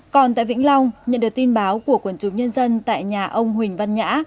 còn tại vĩnh long nhận được tin báo của quần chúng nhân dân tại nhà ông huỳnh văn nhã